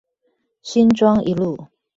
新莊一路